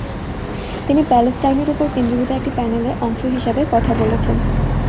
তিনি প্যালেস্টাইনের উপর কেন্দ্রীভূত একটি প্যানেলের অংশ হিসাবে কথা বলেছেন।